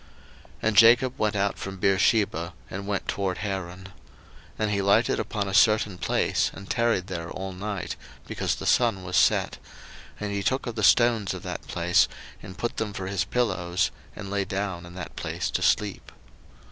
01:028:010 And Jacob went out from Beersheba, and went toward Haran. 01:028:011 And he lighted upon a certain place, and tarried there all night, because the sun was set; and he took of the stones of that place, and put them for his pillows, and lay down in that place to sleep.